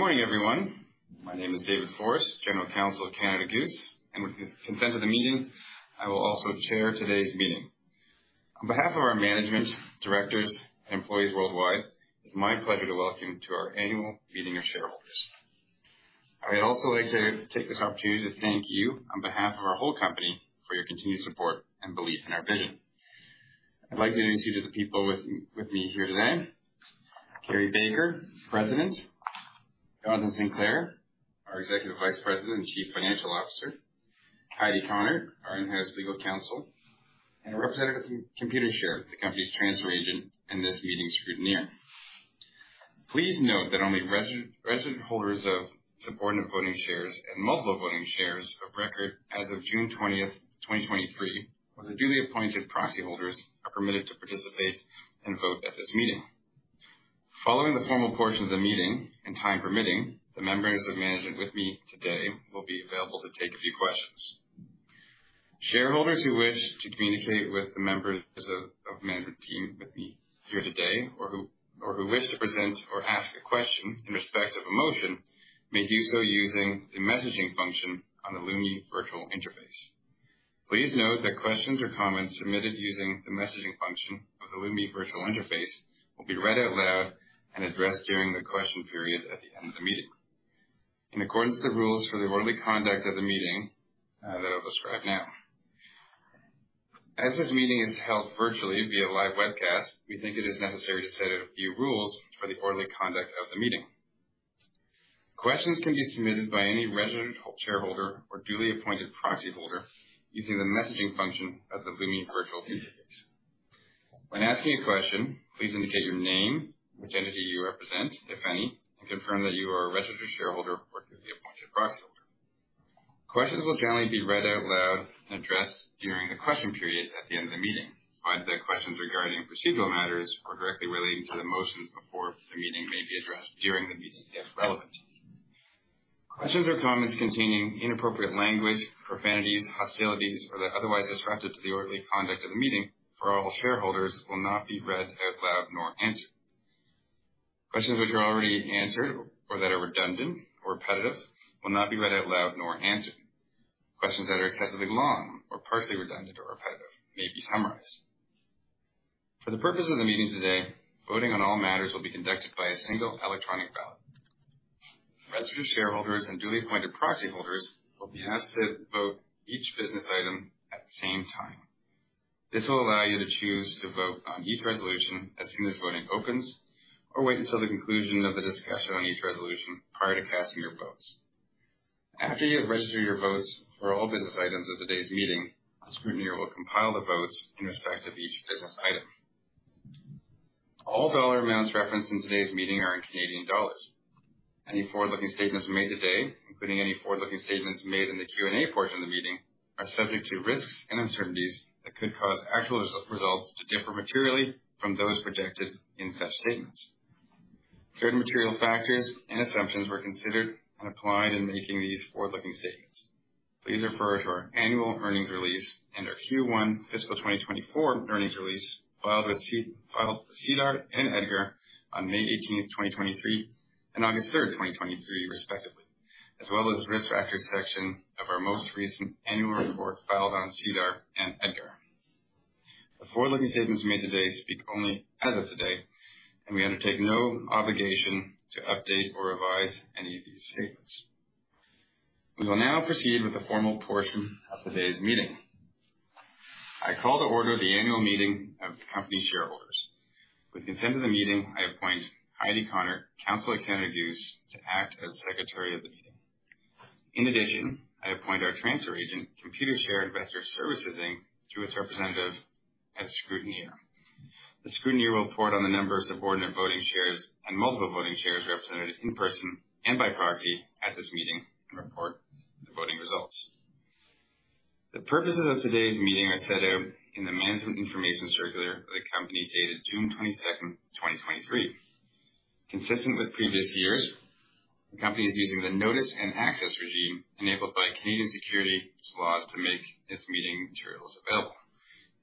Good morning, everyone. My name is David Forrest, General Counsel of Canada Goose, and with the consent of the meeting, I will also chair today's meeting. On behalf of our management, directors, and employees worldwide, it's my pleasure to welcome you to our annual meeting of shareholders. I would also like to take this opportunity to thank you on behalf of our whole company for your continued support and belief in our vision. I'd like to introduce you to the people with, with me here today. Carrie Baker, President, Jonathan Sinclair, our Executive Vice President and Chief Financial Officer, Heidi Connor, our in-house Legal Counsel, and a representative from Computershare, the company's transfer agent, and this meeting scrutineer. Please note that only registered holders of Subordinate Voting Shares and Multiple Voting Shares of record as of June 20th, 2023, or their duly appointed proxy holders, are permitted to participate and vote at this meeting. Following the formal portion of the meeting, and time permitting, the members of management with me today will be available to take a few questions. Shareholders who wish to communicate with the members of management team with me here today, or who wish to present or ask a question in respect of a motion, may do so using the messaging function on the Lumi Virtual interface. Please note that questions or comments submitted using the messaging function of the Lumi Virtual interface will be read out loud and addressed during the question period at the end of the meeting. In accordance to the rules for the orderly conduct of the meeting, that I'll describe now. As this meeting is held virtually via live webcast, we think it is necessary to set out a few rules for the orderly conduct of the meeting. Questions can be submitted by any registered shareholder or duly appointed proxyholder using the messaging function of the Lumi Virtual interface. When asking a question, please indicate your name, which entity you represent, if any, and confirm that you are a registered shareholder or duly appointed proxyholder. Questions will generally be read out loud and addressed during the question period at the end of the meeting, provided that questions regarding procedural matters or directly relating to the motions before the meeting may be addressed during the meeting, if relevant. Questions or comments containing inappropriate language, profanities, hostilities, or that are otherwise disruptive to the orderly conduct of the meeting for all shareholders will not be read out loud nor answered. Questions which are already answered or that are redundant or repetitive will not be read out loud nor answered. Questions that are excessively long or partially redundant or repetitive may be summarized. For the purpose of the meeting today, voting on all matters will be conducted by a single electronic ballot. Registered shareholders and duly appointed proxyholders will be asked to vote each business item at the same time. This will allow you to choose to vote on each resolution as soon as voting opens, or wait until the conclusion of the discussion on each resolution prior to casting your votes. After you have registered your votes for all business items of today's meeting, the scrutineer will compile the votes in respect of each business item. All dollar amounts referenced in today's meeting are in Canadian dollars. Any forward-looking statements made today, including any forward-looking statements made in the Q&A portion of the meeting, are subject to risks and uncertainties that could cause actual results to differ materially from those projected in such statements. Certain material factors and assumptions were considered and applied in making these forward-looking statements. Please refer to our annual earnings release and our Q1 fiscal 2024 earnings release filed with SEDAR and EDGAR on May 18, 2023, and August 3rd, 2023, respectively, as well as risk factors section of our most recent annual report filed on SEDAR and EDGAR. The forward-looking statements made today speak only as of today, and we undertake no obligation to update or revise any of these statements. We will now proceed with the formal portion of today's meeting. I call to order the annual meeting of the company's shareholders. With consent of the meeting, I appoint Heidi Connor, Counsel at Canada Goose, to act as Secretary of the meeting. In addition, I appoint our transfer agent, Computershare Investor Services Inc., through its representative as scrutineer. The scrutineer will report on the number of Subordinate Voting Shares and Multiple Voting Shares represented in person and by proxy at this meeting and report the voting results. The purposes of today's meeting are set out in the Management Information Circular of the company, dated June 22nd, 2023. Consistent with previous years, the company is using the notice-and-access regime enabled by Canadian securities laws to make its meeting materials available,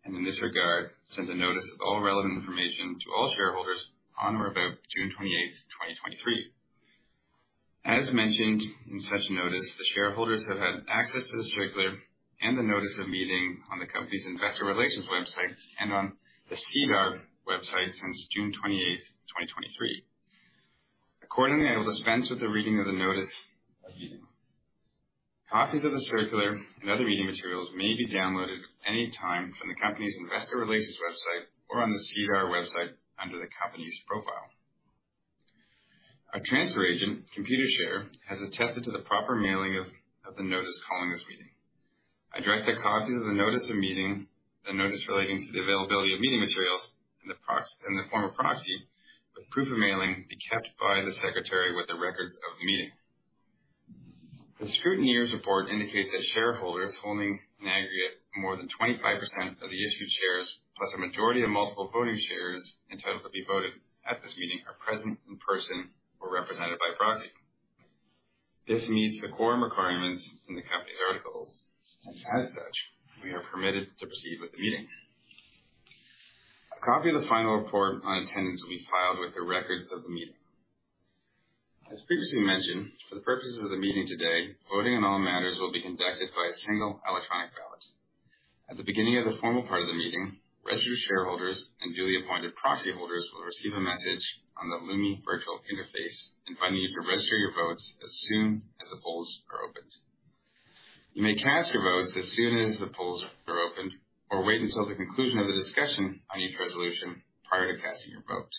and in this regard, sent a notice of all relevant information to all shareholders on or about June 28th, 2023. As mentioned in such notice, the shareholders have had access to the circular and the notice of meeting on the company's investor relations website and on the SEDAR website since June 28th, 2023. Accordingly, I will dispense with the reading of the notice of meeting. Copies of the circular and other reading materials may be downloaded at any time from the company's investor relations website or on the SEDAR website under the company's profile. Our transfer agent, Computershare, has attested to the proper mailing of the notice calling this meeting. I direct that copies of the notice of meeting, the notice relating to the availability of meeting materials and the form of proxy, with proof of mailing, be kept by the secretary with the records of the meeting. The scrutineer's report indicates that shareholders holding an aggregate more than 25% of the issued shares, plus a majority of Multiple Voting Shares entitled to be voted at this meeting, are present in person or represented by proxy. This meets the quorum requirements in the company's articles, and as such, we are permitted to proceed with the meeting. A copy of the final report on attendance will be filed with the records of the meeting. As previously mentioned, for the purposes of the meeting today, voting on all matters will be conducted by a single electronic ballot. At the beginning of the formal part of the meeting, registered shareholders and duly appointed proxy holders will receive a message on the Lumi Virtual Interface, inviting you to register your votes as soon as the polls are opened. You may cast your votes as soon as the polls are opened, or wait until the conclusion of the discussion on each resolution prior to casting your vote.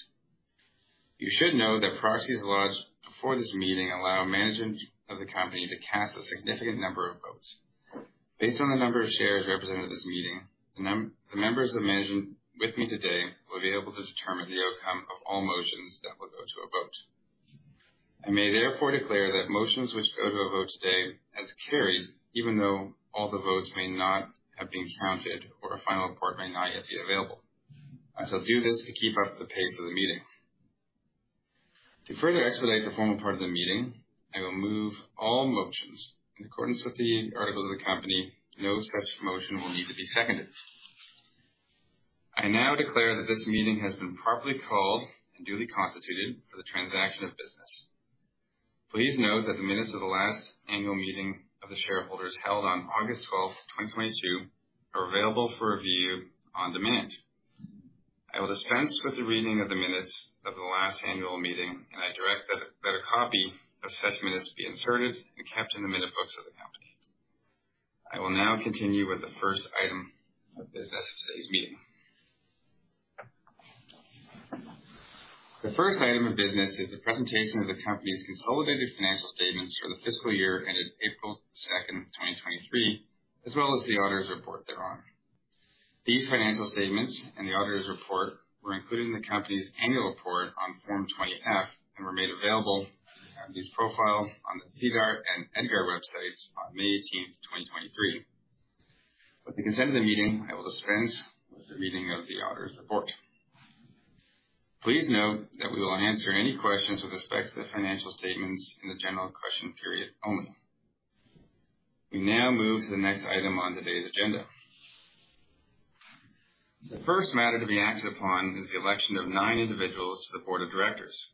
You should know that proxies lodged before this meeting allow management of the company to cast a significant number of votes. Based on the number of shares represented at this meeting, the members of management with me today will be able to determine the outcome of all motions that will go to a vote. I may therefore declare that motions which go to a vote today as carried, even though all the votes may not have been counted or a final report may not yet be available. I shall do this to keep up the pace of the meeting. To further expedite the formal part of the meeting, I will move all motions. In accordance with the articles of the company, no such motion will need to be seconded. I now declare that this meeting has been properly called and duly constituted for the transaction of business. Please note that the minutes of the last annual meeting of the shareholders, held on August 12th, 2022, are available for review on demand. I will dispense with the reading of the minutes of the last annual meeting, and I direct that, that a copy of such minutes be inserted and kept in the minute books of the company. I will now continue with the first item of business of today's meeting. The first item of business is the presentation of the company's consolidated financial statements for the fiscal year ended April 2nd, 2023, as well as the auditor's report thereon. These financial statements and the auditor's report were included in the company's annual report on Form 20-F and were made available on the company's profile on the SEDAR and EDGAR websites on May 18th, 2023. With the consent of the meeting, I will dispense with the reading of the auditor's report. Please note that we will answer any questions with respect to the financial statements in the general question period only. We now move to the next item on today's agenda. The first matter to be acted upon is the election of nine individuals to the board of directors.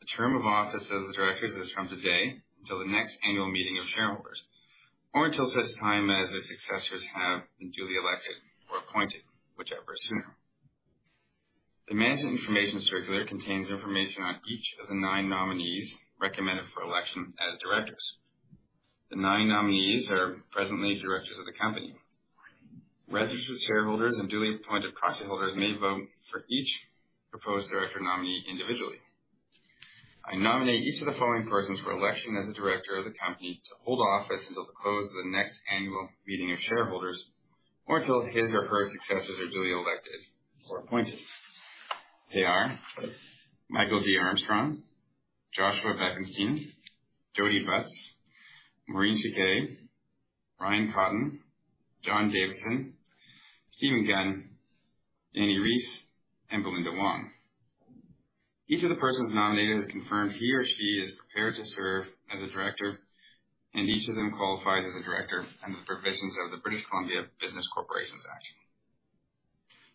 The term of office of the directors is from today until the next annual meeting of shareholders, or until such time as their successors have been duly elected or appointed, whichever is sooner. The Management Information Circular contains information on each of the nine nominees recommended for election as directors. The nine nominees are presently directors of the company. Registered shareholders and duly appointed proxy holders may vote for each proposed director nominee individually. I nominate each of the following persons for election as a director of the company to hold office until the close of the next annual meeting of shareholders, or until his or her successors are duly elected or appointed. They are Michael D. Armstrong, Joshua Bekenstein, Jodi Butts, Maureen Chiquet, Ryan Cotton, John Davison, Stephen Gunn, Dani Reiss, and Belinda Wong. Each of the persons nominated has confirmed he or she is prepared to serve as a director, and each of them qualifies as a director under the provisions of the British Columbia Business Corporations Act.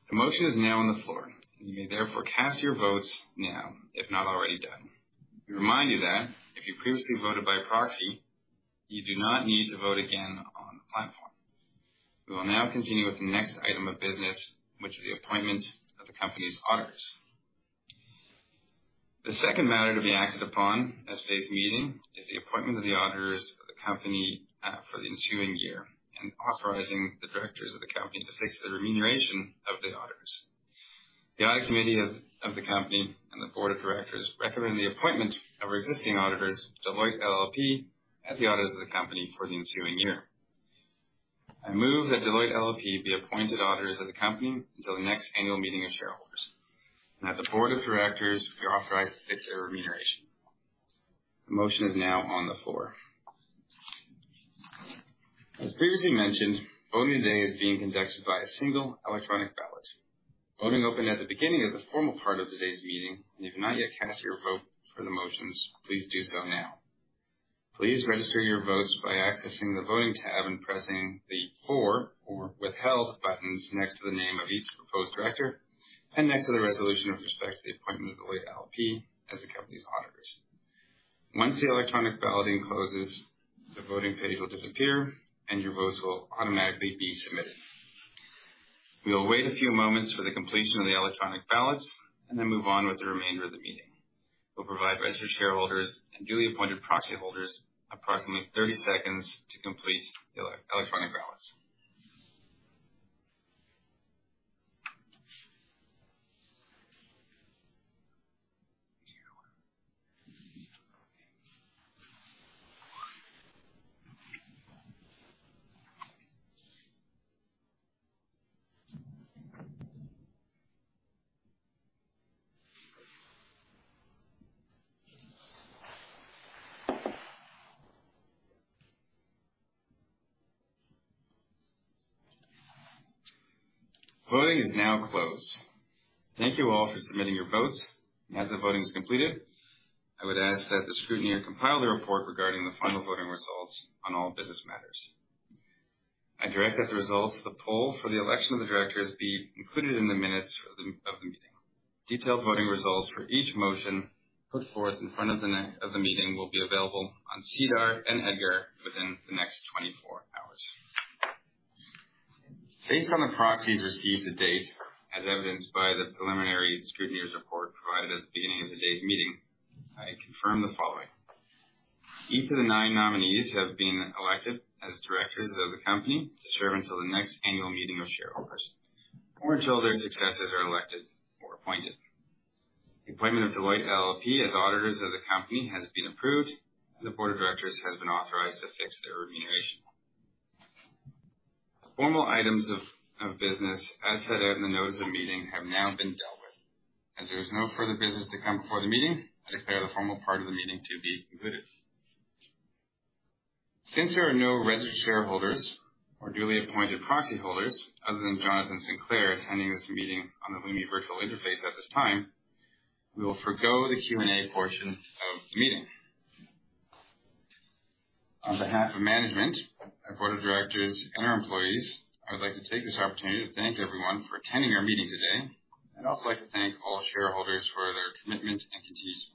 The motion is now on the floor. You may therefore cast your votes now, if not already done. We remind you that if you previously voted by proxy, you do not need to vote again on the platform. We will now continue with the next item of business, which is the appointment of the company's auditors. The second matter to be acted upon at today's meeting is the appointment of the auditors of the company for the ensuing year, and authorizing the directors of the company to fix the remuneration of the auditors. The audit committee of the company and the board of directors recommend the appointment of our existing auditors, Deloitte LLP, as the auditors of the company for the ensuing year. I move that Deloitte LLP be appointed auditors of the company until the next annual meeting of shareholders, and that the board of directors be authorized to fix their remuneration. The motion is now on the floor. As previously mentioned, voting today is being conducted by a single electronic ballot. Voting opened at the beginning of the formal part of today's meeting, and if you've not yet cast your vote for the motions, please do so now. Please register your votes by accessing the Voting tab and pressing the For or Withheld buttons next to the name of each proposed director, and next to the resolution with respect to the appointment of Deloitte LLP as the company's auditors. Once the electronic balloting closes, the voting page will disappear, and your votes will automatically be submitted. We will wait a few moments for the completion of the electronic ballots and then move on with the remainder of the meeting. We'll provide registered shareholders and duly appointed proxy holders approximately 30 seconds to complete the electronic ballots. Voting is now closed. Thank you all for submitting your votes. Now that the voting is completed, I would ask that the scrutineer compile the report regarding the final voting results on all business matters. I direct that the results of the poll for the election of the directors be included in the minutes of the meeting. Detailed voting results for each motion put forth in front of the meeting will be available on SEDAR and EDGAR within the next 24 hours. Based on the proxies received to date, as evidenced by the preliminary scrutineer's report provided at the beginning of today's meeting, I confirm the following: Each of the nine nominees have been elected as directors of the company to serve until the next annual meeting of shareholders or until their successors are elected or appointed. The appointment of Deloitte LLP as auditors of the company has been approved, and the board of directors has been authorized to fix their remuneration. The formal items of, of business, as set out in the notice of the meeting, have now been dealt with. There is no further business to come before the meeting, I declare the formal part of the meeting to be concluded. There are no registered shareholders or duly appointed proxy holders, other than Jonathan Sinclair, attending this meeting on the Lumi Virtual Interface at this time, we will forgo the Q&A portion of the meeting. On behalf of management, our board of directors, and our employees, I would like to take this opportunity to thank everyone for attending our meeting today. I'd also like to thank all shareholders for their commitment and continued support.